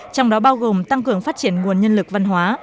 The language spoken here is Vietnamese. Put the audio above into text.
trong đó bao gồm tăng cường phát triển nguồn nhân lực văn hóa